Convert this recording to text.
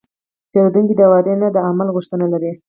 پیرودونکی د وعدې نه، د عمل غوښتنه لري.